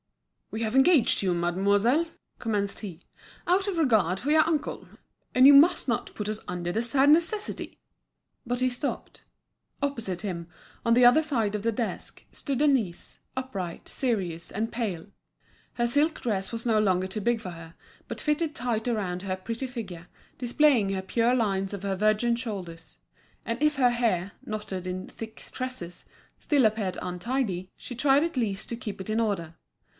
"We have engaged you, mademoiselle," commenced he, "out of regard for your uncle, and you must not put us under the sad necessity—" But he stopped. Opposite him, on the other side of the desk, stood Denise, upright, serious, and pale. Her silk dress was no longer too big for her, but fitted tight round her pretty figure, displaying the pure lines of her virgin shoulders; and if her hair, knotted in thick tresses, still appeared untidy, she tried at least to keep it in order.